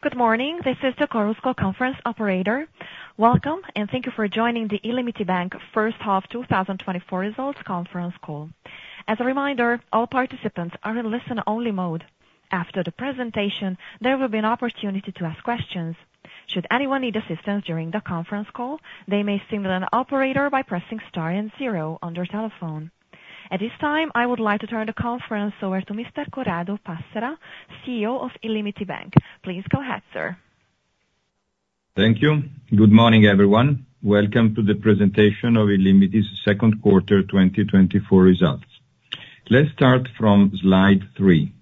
Good morning. This is the Chorus Call conference operator. Welcome, and thank you for joining the illimity Bank First Half 2024 Results Conference Call. As a reminder, all participants are in listen-only mode. After the presentation, there will be an opportunity to ask questions. Should anyone need assistance during the conference call, they may signal an operator by pressing star and zero on their telephone. At this time, I would like to turn the conference over to Mr. Corrado Passera, CEO of illimity Bank. Please go ahead, sir. Thank you. Good morning, everyone. Welcome to the presentation of illimity's second quarter 2024 results. Let's start from slide three.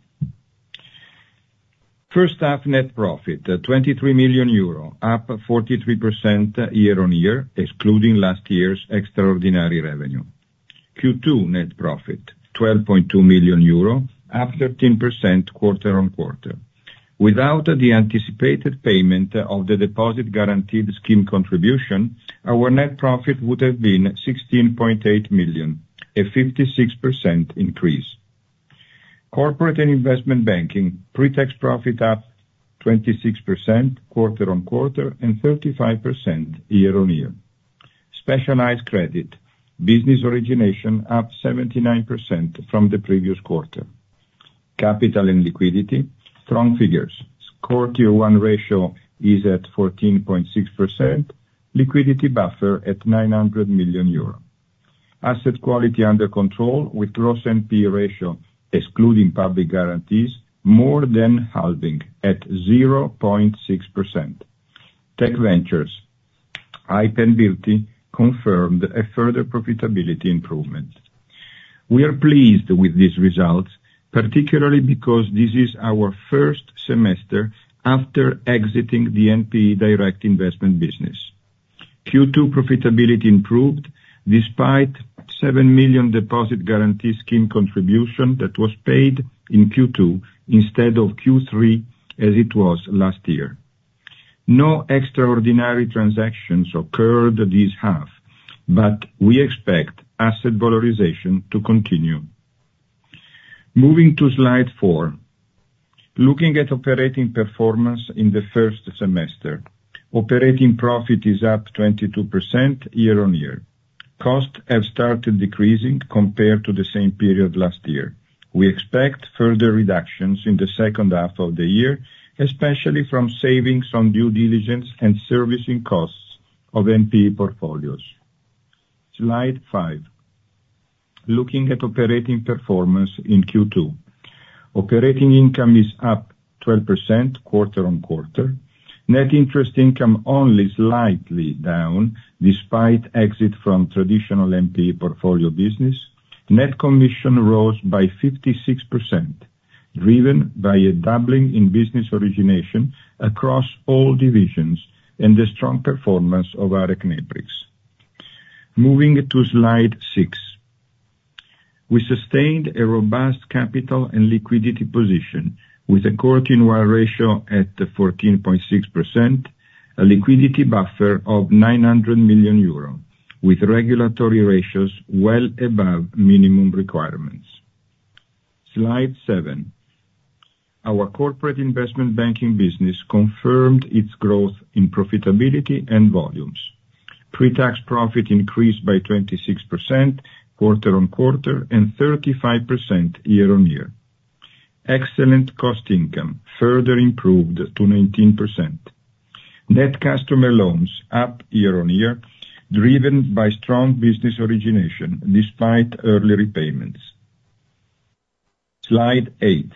First half net profit, 23 million euro, up 43% year-on-year, excluding last year's extraordinary revenue. Q2 net profit, EUR 12.2 million, up 13% quarter-on-quarter. Without the anticipated payment of the deposit guaranteed scheme contribution, our net profit would have been 16.8 million, a 56% increase. Corporate and Investment Banking, pre-tax profit up 26% quarter-on-quarter and 35% year-on-year. Specialized Credit, business origination up 79% from the previous quarter. Capital and liquidity, strong figures. Core Tier 1 ratio is at 14.6%, liquidity buffer at 900 million euro. Asset quality under control, with gross NPE ratio, excluding public guarantees, more than halving at 0.6%. Tech ventures, HYPE and b-ilty confirmed a further profitability improvement. We are pleased with these results, particularly because this is our first semester after exiting the NPE direct investment business. Q2 profitability improved despite 7 million Deposit Guarantee Scheme contribution that was paid in Q2 instead of Q3, as it was last year. No extraordinary transactions occurred this half, but we expect asset valorization to continue. Moving to slide four. Looking at operating performance in the first semester, operating profit is up 22% year-on-year. Costs have started decreasing compared to the same period last year. We expect further reductions in the second half of the year, especially from savings on due diligence and servicing costs of NPE portfolios. Slide five. Looking at operating performance in Q2, operating income is up 12% quarter-on-quarter. Net interest income only slightly down, despite exit from traditional NPE portfolio business. Net commission rose by 56%, driven by a doubling in business origination across all divisions and the strong performance of ARECneprix. Moving to slide six. We sustained a robust capital and liquidity position with a Core Tier 1 ratio at 14.6%, a liquidity buffer of 900 million euro, with regulatory ratios well above minimum requirements. Slide seven. Our Corporate Investment Banking business confirmed its growth in profitability and volumes. Pre-tax profit increased by 26% quarter-on-quarter and 35% year-on-year. Excellent cost income further improved to 19%. Net customer loans up year-on-year, driven by strong business origination despite early repayments. Slide eight.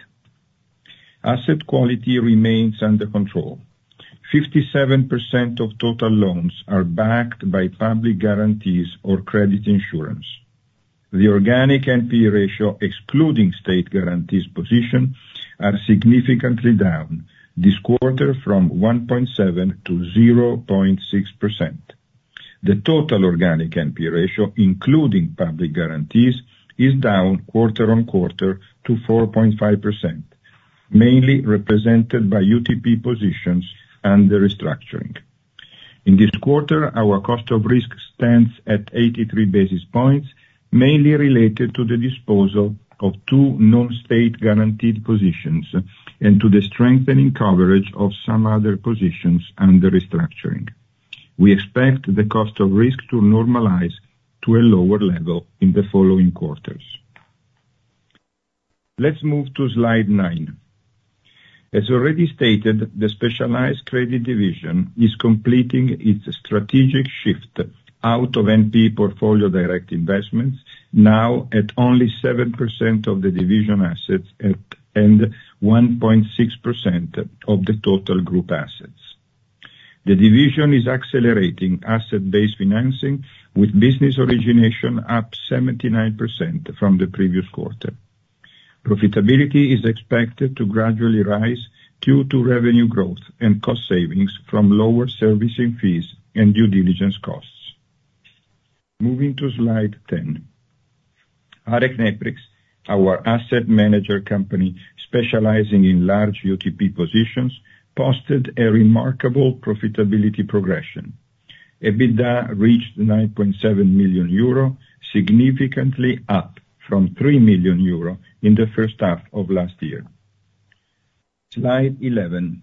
Asset quality remains under control. 57% of total loans are backed by public guarantees or credit insurance. The organic NPE ratio, excluding state-guaranteed positions, are significantly down this quarter from 1.7% to 0.6%. The total organic NPE ratio, including public guarantees, is down quarter-on-quarter to 4.5%, mainly represented by UTP positions and the restructuring. In this quarter, our cost of risk stands at 83 basis points, mainly related to the disposal of two non-state guaranteed positions and to the strengthening coverage of some other positions under restructuring. We expect the cost of risk to normalize to a lower level in the following quarters. Let's move to slide nine. As already stated, the Specialized Credit division is completing its strategic shift out of NPE portfolio direct investments, now at only 7% of the division assets and 1.6% of the total group assets. The division is accelerating asset-based financing, with business origination up 79% from the previous quarter. Profitability is expected to gradually rise due to revenue growth and cost savings from lower servicing fees and due diligence costs. Moving to slide 10. ARECneprix, our asset manager company specializing in large UTP positions, posted a remarkable profitability progression. EBITDA reached 9.7 million euro, significantly up from 3 million euro in the first half of last year. Slide 11.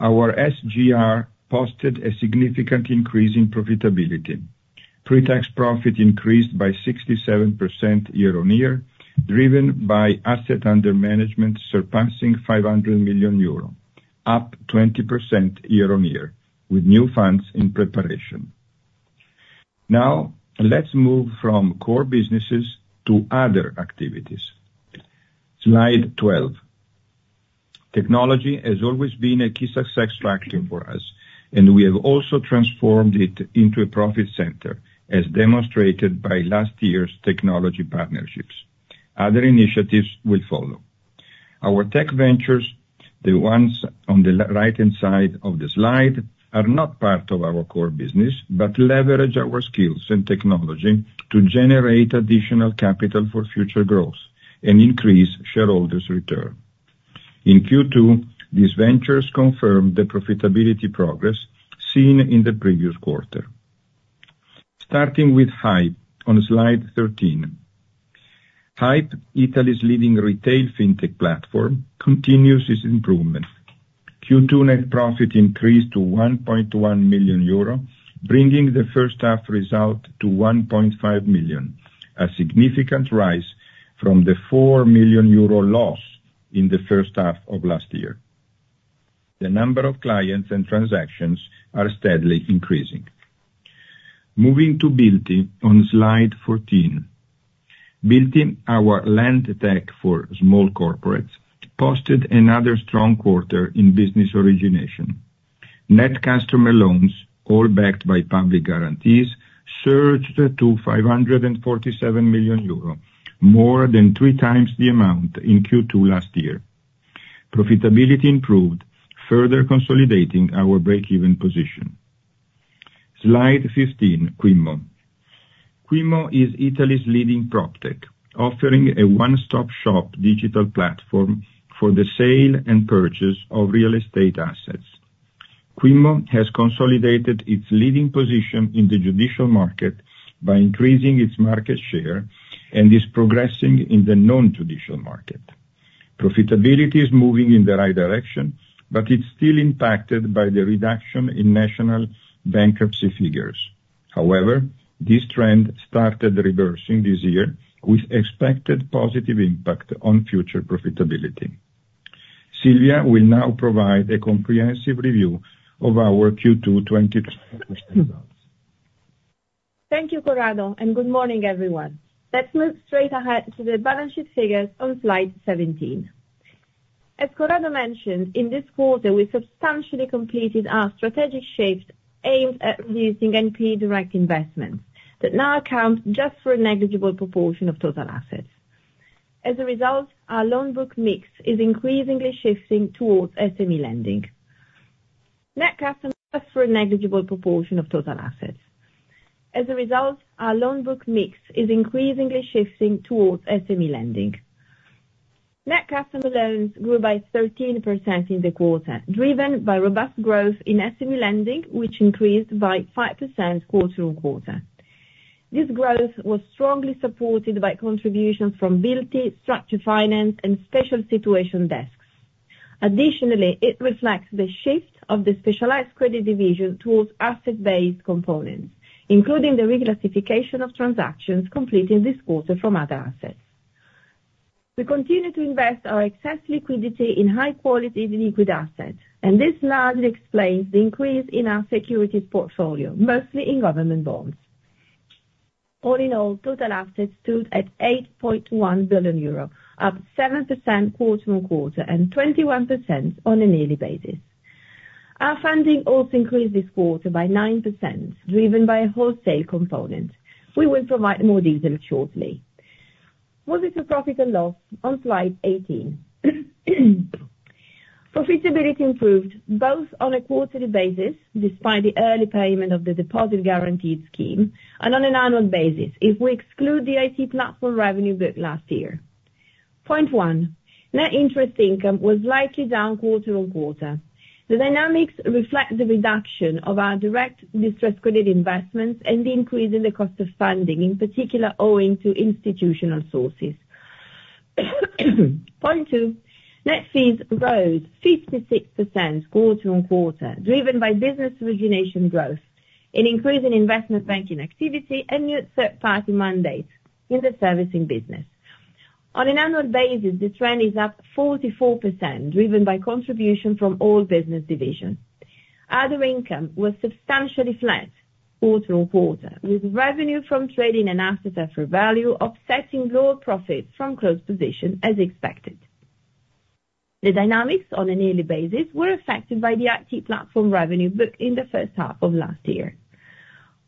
Our SGR posted a significant increase in profitability. Pre-tax profit increased by 67% year-on-year, driven by asset under management, surpassing 500 million euro, up 20% year-on-year, with new funds in preparation. Now, let's move from core businesses to other activities. Slide 12. Technology has always been a key success factor for us, and we have also transformed it into a profit center, as demonstrated by last year's technology partnerships. Other initiatives will follow. Our tech ventures, the ones on the right-hand side of the slide, are not part of our core business, but leverage our skills and technology to generate additional capital for future growth and increase shareholders' return. In Q2, these ventures confirmed the profitability progress seen in the previous quarter. Starting with HYPE on slide 13. HYPE, Italy's leading retail fintech platform, continues its improvement. Q2 net profit increased to 1.1 million euro, bringing the first half result to 1.5 million, a significant rise from the 4 million euro loss in the first half of last year. The number of clients and transactions are steadily increasing. Moving to b-ilty on slide 14. b-ilty, our lendtech for small corporates, posted another strong quarter in business origination. Net customer loans, all backed by public guarantees, surged to 547 million euro, more than three times the amount in Q2 last year. Profitability improved, further consolidating our breakeven position. Slide 15, Quimmo. Quimmo is Italy's leading proptech, offering a one-stop shop digital platform for the sale and purchase of real estate assets. Quimmo has consolidated its leading position in the judicial market by increasing its market share and is progressing in the non-traditional market. Profitability is moving in the right direction, but it's still impacted by the reduction in national bankruptcy figures. However, this trend started reversing this year, with expected positive impact on future profitability. Silvia will now provide a comprehensive review of our Q2 2022 results. Thank you, Corrado, and good morning, everyone. Let's move straight ahead to the balance sheet figures on slide 17. As Corrado mentioned, in this quarter, we substantially completed our strategic shift aimed at reducing NPE direct investments that now account just for a negligible proportion of total assets. As a result, our loan book mix is increasingly shifting towards SME lending. Net customer loans grew by 13% in the quarter, driven by robust growth in SME lending, which increased by 5% quarter-on-quarter. This growth was strongly supported by contributions from b-ilty, structured finance, and special situation desks. Additionally, it reflects the shift of the Specialized Credit division towards asset-based components, including the reclassification of transactions completed this quarter from other assets. We continue to invest our excess liquidity in high-quality liquid assets, and this largely explains the increase in our securities portfolio, mostly in government bonds. All in all, total assets stood at 8.1 billion euro, up 7% quarter-over-quarter, and 21% on a year-over-year basis. Our funding also increased this quarter by 9%, driven by a wholesale component. We will provide more detail shortly. Moving to profit and loss on slide 18. Profitability improved both on a quarterly basis, despite the early payment of the deposit guaranteed scheme, and on an annual basis, if we exclude the IT platform revenue booked last year. Point one, net interest income was slightly down quarter-over-quarter. The dynamics reflect the reduction of our direct distressed credit investments and the increase in the cost of funding, in particular, owing to institutional sources. Point two, net fees rose 56% quarter on quarter, driven by business origination growth, an increase in investment banking activity, and new third-party mandates in the servicing business. On an annual basis, the trend is up 44%, driven by contribution from all business divisions. Other income was substantially flat quarter on quarter, with revenue from trading and asset fair value offsetting lower profits from closed positions as expected. The dynamics on a yearly basis were affected by the IT platform revenue booked in the first half of last year.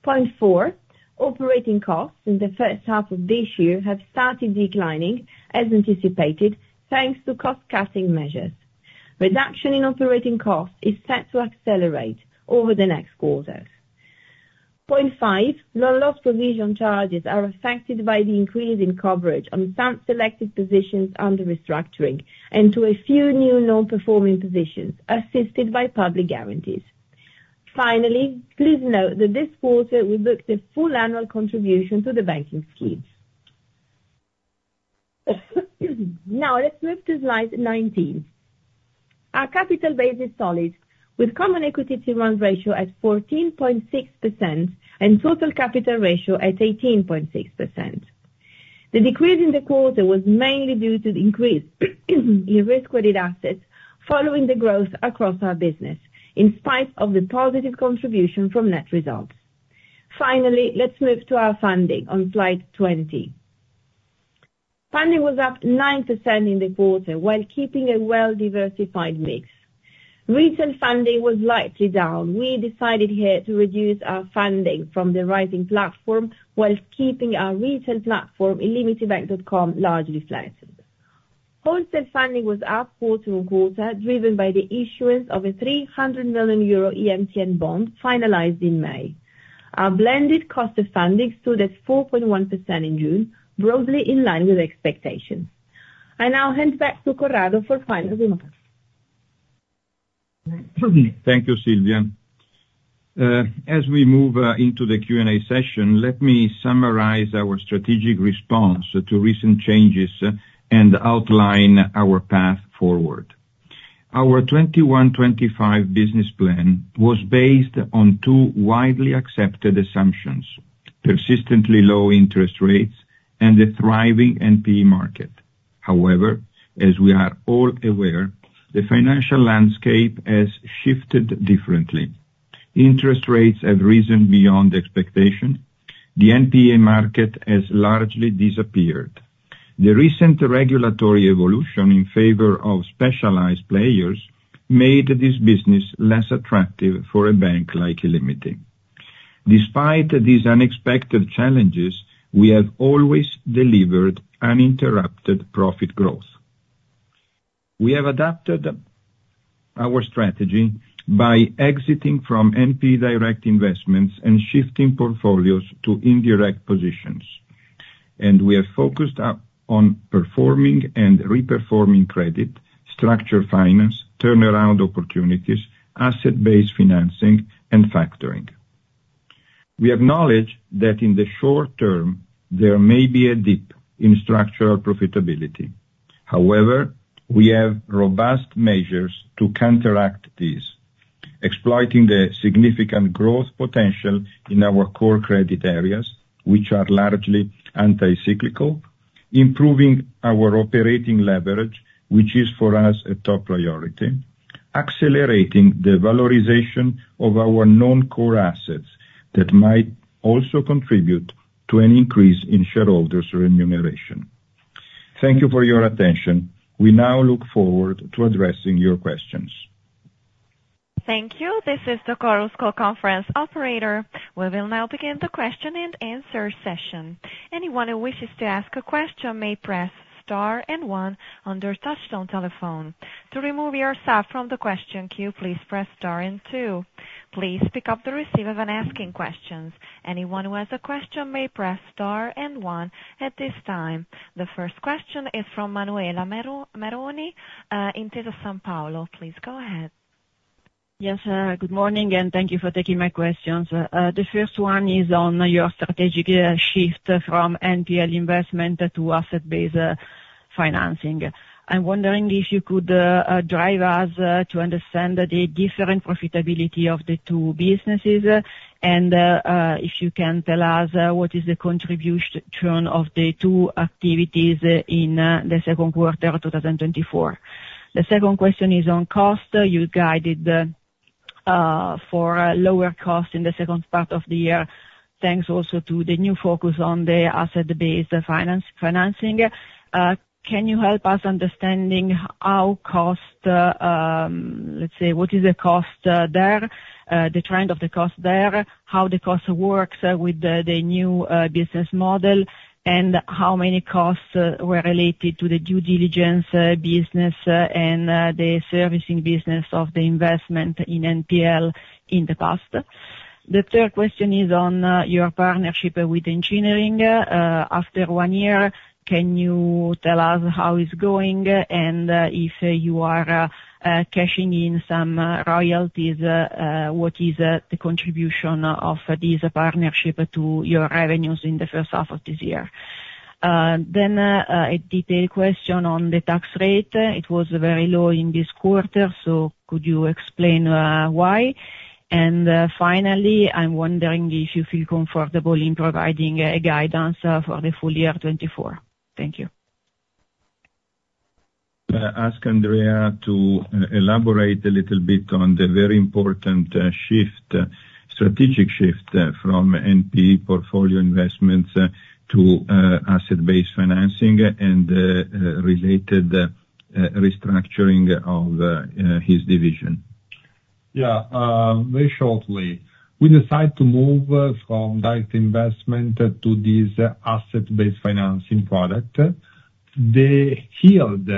Point four, operating costs in the first half of this year have started declining, as anticipated, thanks to cost-cutting measures. Reduction in operating costs is set to accelerate over the next quarters. Point five, loan loss provision charges are affected by the increase in coverage on some selected positions under restructuring, and to a few new non-performing positions assisted by public guarantees. Finally, please note that this quarter, we booked a full annual contribution to the banking scheme. Now let's move to slide 19. Our capital base is solid, with Common Equity Tier 1 ratio at 14.6% and total capital ratio at 18.6%. The decrease in the quarter was mainly due to the increase in risk-weighted assets, following the growth across our business, in spite of the positive contribution from net results. Finally, let's move to our funding on slide 20. Funding was up 9% in the quarter, while keeping a well-diversified mix. Retail funding was lightly down. We decided here to reduce our funding from the Raisin platform, while keeping our retail platform in illimitybank.com largely flat. Wholesale funding was up quarter-on-quarter, driven by the issuance of a 300 million euro EMTN bond finalized in May. Our blended cost of funding stood at 4.1% in June, broadly in line with expectations. I now hand back to Corrado for final remarks. Thank you, Silvia. As we move into the Q&A session, let me summarize our strategic response to recent changes, and outline our path forward. Our 2021-2025 business plan was based on two widely accepted assumptions: persistently low interest rates and a thriving NPE market. However, as we are all aware, the financial landscape has shifted differently. Interest rates have risen beyond expectation. The NPE market has largely disappeared. The recent regulatory evolution in favor of specialized players made this business less attractive for a bank like illimity. Despite these unexpected challenges, we have always delivered uninterrupted profit growth. We have adapted our strategy by exiting from NPE direct investments and shifting portfolios to indirect positions, and we are focused upon performing and re-performing credit, structured finance, turnaround opportunities, asset-based financing, and factoring. We acknowledge that in the short term, there may be a dip in structural profitability. However, we have robust measures to counteract this, exploiting the significant growth potential in our core credit areas, which are largely anti-cyclical, improving our operating leverage, which is, for us, a top priority, accelerating the valorization of our non-core assets that might also contribute to an increase in shareholders' remuneration. Thank you for your attention. We now look forward to addressing your questions. Thank you. This is the Chorus Call conference operator. We will now begin the question-and-answer session. Anyone who wishes to ask a question may press star and one on their touchtone telephone. To remove yourself from the question queue, please press star and two. Please pick up the receiver when asking questions. Anyone who has a question may press star and one at this time. The first question is from Manuela Meroni, Intesa Sanpaolo. Please go ahead. Yes, good morning, and thank you for taking my questions. The first one is on your strategic shift from NPL investment to asset-based financing. I'm wondering if you could drive us to understand the different profitability of the two businesses, and if you can tell us what is the contribution of the two activities in the second quarter of 2024? The second question is on cost. You guided for a lower cost in the second part of the year, thanks also to the new focus on the asset-based financing. Can you help us understanding how cost, let's say, what is the cost there, the trend of the cost there, how the cost works with the new business model, and how many costs were related to the due diligence business and the servicing business of the investment in NPL in the past? The third question is on your partnership with Engineering. After one year, can you tell us how it's going, and if you are cashing in some royalties, what is the contribution of this partnership to your revenues in the first half of this year? Then, a detailed question on the tax rate. It was very low in this quarter, so could you explain why? Finally, I'm wondering if you feel comfortable in providing a guidance for the full year 2024? Thank you. Ask Andrea to elaborate a little bit on the very important shift, strategic shift from NPE portfolio investments to asset-based financing and related restructuring of his division. Yeah, very shortly, we decided to move from direct investment to this asset-based financing product. The yield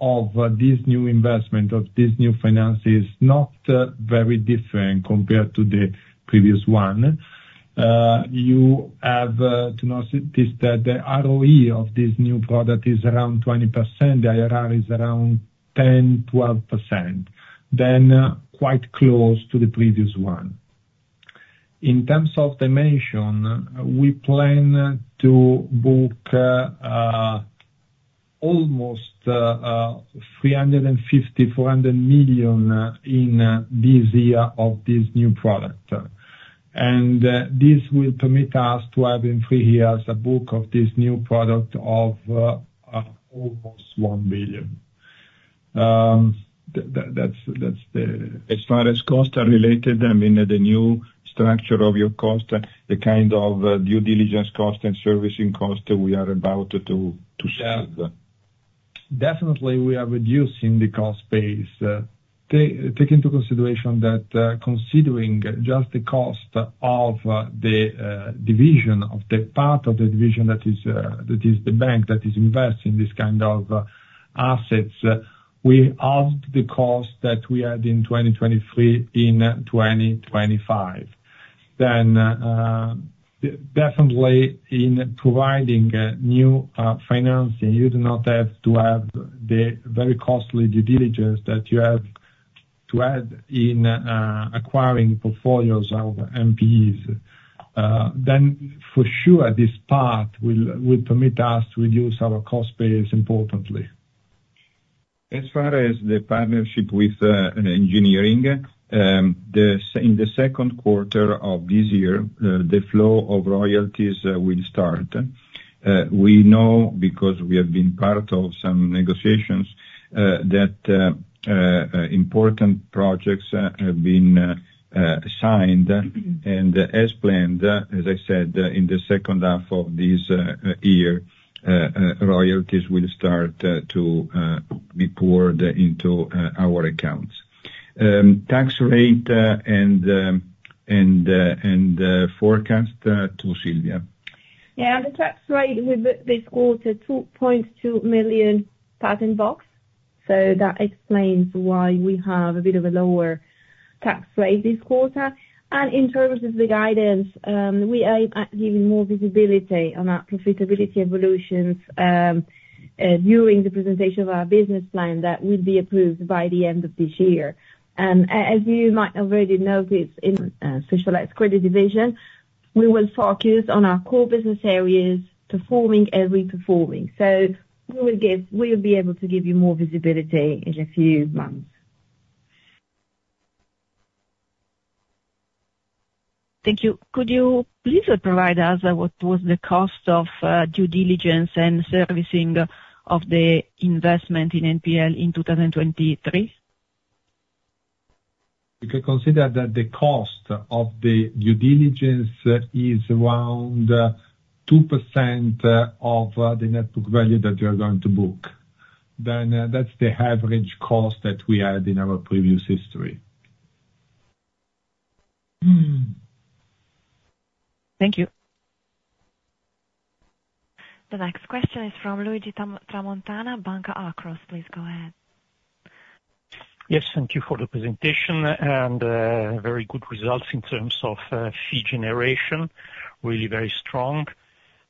of this new investment, of this new finance, is not very different compared to the previous one. You have to notice that the ROE of this new product is around 20%, the IRR is around 10%-12%, then quite close to the previous one. In terms of dimension, we plan to book almost 350-400 million in this year of this new product. This will permit us to have in three years a book of this new product of almost 1 billion. As far as costs are related, I mean, the new structure of your cost, the kind of due diligence cost and servicing cost we are about to serve. Definitely, we are reducing the cost base. Take into consideration that, considering just the cost of the division, of the part of the division that is the bank that is investing this kind of assets, we halved the cost that we had in 2023 in 2025. Then, definitely in providing new financing, you do not have to have the very costly due diligence that you have to add in acquiring portfolios of NPEs. Then for sure, this part will permit us to reduce our cost base importantly. As far as the partnership with Engineering, in the second quarter of this year, the flow of royalties will start. We know, because we have been part of some negotiations, that important projects have been signed. And as planned, as I said, in the second half of this year, royalties will start to be poured into our accounts. Tax rate and forecast to Silvia. Yeah, the tax rate with this quarter, 2.2 million Patent Box. So that explains why we have a bit of a lower tax rate this quarter. In terms of the guidance, we aim at giving more visibility on our profitability evolutions, during the presentation of our business plan that will be approved by the end of this year. As you might already notice, in Specialized Credit division, we will focus on our core business areas, performing and re-performing. So we will give. We'll be able to give you more visibility in a few months. Thank you. Could you please provide us what was the cost of due diligence and servicing of the investment in NPL in 2023? You can consider that the cost of the due diligence is around 2% of the net book value that we are going to book. Then, that's the average cost that we had in our previous history. Thank you. The next question is from Luigi Tramontana, Banca Akros. Please go ahead. Yes, thank you for the presentation, and very good results in terms of fee generation. Really very strong.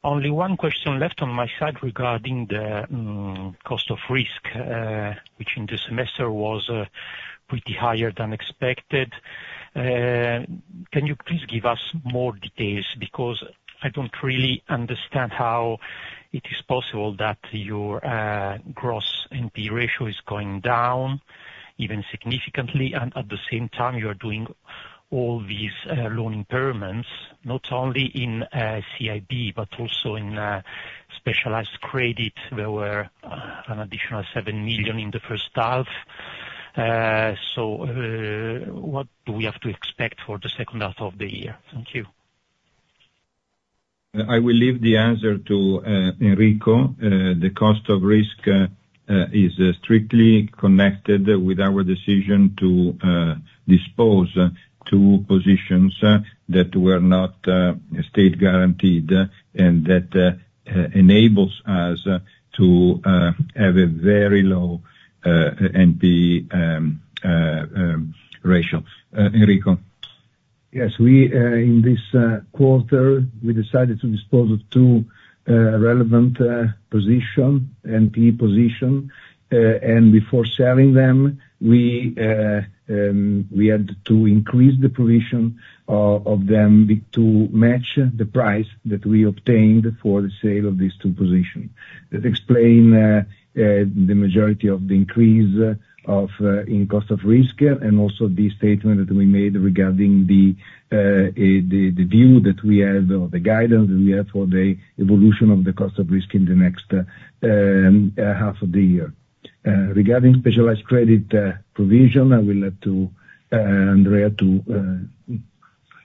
Only one question left on my side regarding the cost of risk, which in the semester was pretty higher than expected. Can you please give us more details? Because I don't really understand how it is possible that your gross NPE ratio is going down, even significantly, and at the same time, you are doing all these loan impairments, not only in CIB, but also in Specialized Credit. There were an additional 7 million in the first half. So, what do we have to expect for the second half of the year? Thank you. I will leave the answer to Enrico. The cost of risk is strictly connected with our decision to dispose two positions that were not state-guaranteed, and that enables us to have a very low NPE ratio. Enrico? Yes, we in this quarter we decided to dispose of two relevant position, NP position. And before selling them, we had to increase the provision of them to match the price that we obtained for the sale of these two position. That explain the majority of the increase in cost of risk, and also the statement that we made regarding the view that we had, or the guidance that we had for the evolution of the cost of risk in the next half of the year. Regarding Specialized Credit provision, I will let to Andrea to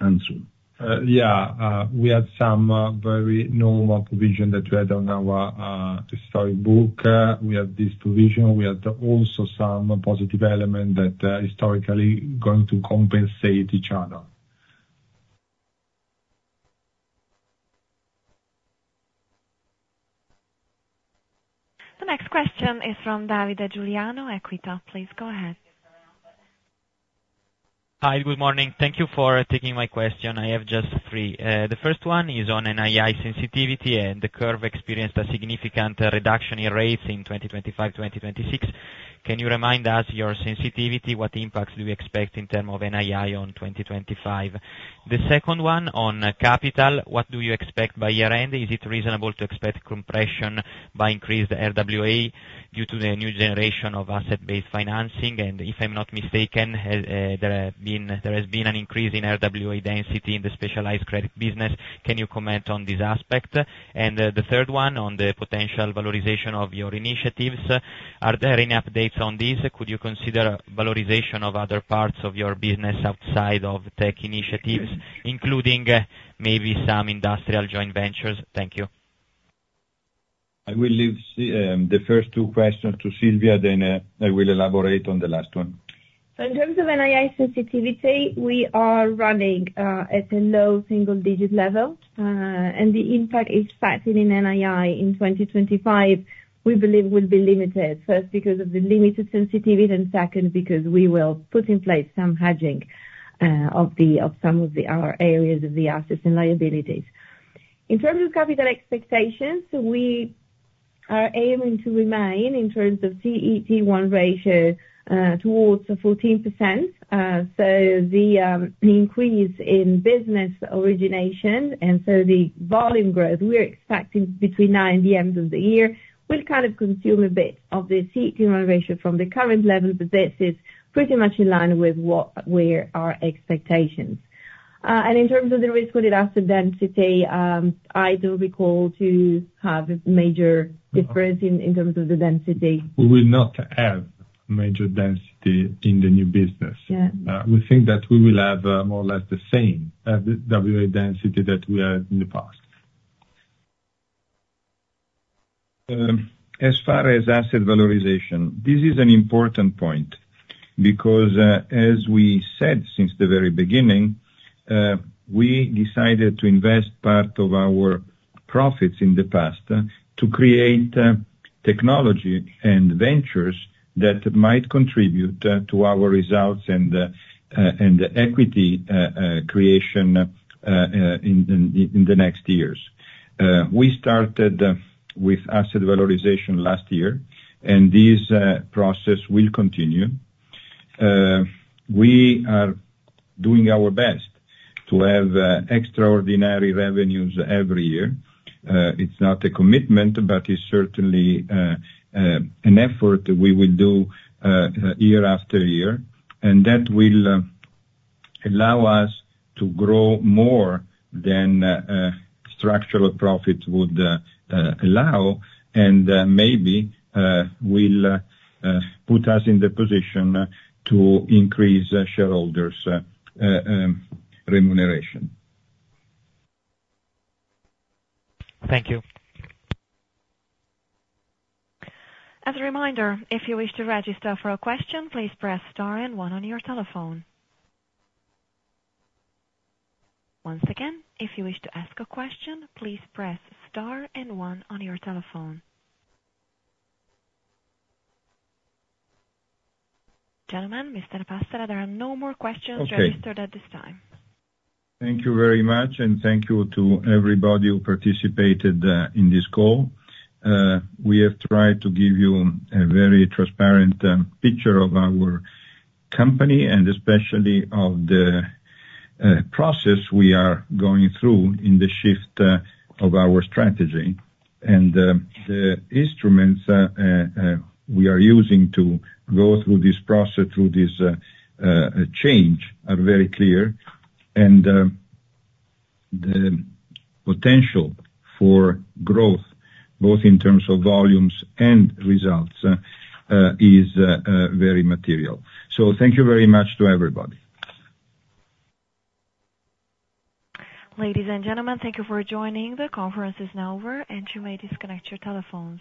answer. Yeah, we had some very normal provision that we had on our historic book. We had this provision. We had also some positive element that historically going to compensate each other. The next question is from Davide Giuliano, Equita. Please go ahead. Hi, good morning. Thank you for taking my question. I have just three. The first one is on NII sensitivity, and the curve experienced a significant reduction in rates in 2025, 2026. Can you remind us your sensitivity? What impacts do you expect in terms of NII on 2025? The second one on capital, what do you expect by year-end? Is it reasonable to expect compression by increased RWA due to the new generation of asset-based financing? And if I'm not mistaken, there have been, there has been an increase in RWA density in the Specialized Credit business. Can you comment on this aspect? And the third one on the potential valorization of your initiatives, are there any updates on this? Could you consider valorization of other parts of your business outside of tech initiatives, including maybe some industrial joint ventures? Thank you. I will leave the first two questions to Silvia, then I will elaborate on the last one. So in terms of NII sensitivity, we are running at a low single-digit level, and the impact expected in NII in 2025, we believe will be limited, first, because of the limited sensitivity, and second, because we will put in place some hedging of the, of some of the, our areas of the assets and liabilities. In terms of capital expectations, we are aiming to remain, in terms of CET1 ratio, towards the 14%. So the, the increase in business origination, and so the volume growth we're expecting between now and the end of the year, will kind of consume a bit of the CET1 ratio from the current level, but this is pretty much in line with what were our expectations. In terms of the risk-weighted asset density, I don't recall to have a major difference in terms of the density. We will not have major density in the new business. Yeah. We think that we will have, more or less the same, RWA density that we had in the past. As far as asset valorization, this is an important point, because, as we said since the very beginning, we decided to invest part of our profits in the past, to create, technology and ventures that might contribute, to our results and, and equity, creation, in, in, in the next years. We started, with asset valorization last year, and this, process will continue. We are doing our best to have, extraordinary revenues every year. It's not a commitment, but it's certainly an effort we will do year after year, and that will allow us to grow more than structural profits would allow, and maybe will put us in the position to increase shareholders' remuneration. Thank you. As a reminder, if you wish to register for a question, please press star and one on your telephone. Once again, if you wish to ask a question, please press star and one on your telephone. Gentlemen, Mr. Passera, there are no more questions- Okay. registered at this time. Thank you very much, and thank you to everybody who participated in this call. We have tried to give you a very transparent picture of our company, and especially of the process we are going through in the shift of our strategy. The instruments we are using to go through this process, through this change, are very clear. The potential for growth, both in terms of volumes and results, is very material. Thank you very much to everybody. Ladies and gentlemen, thank you for joining. The conference is now over, and you may disconnect your telephones.